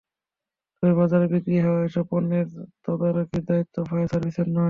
তবে বাজারে বিক্রি হওয়া এসব পণ্যের তদারকির দায়িত্ব ফায়ার সার্ভিসের নয়।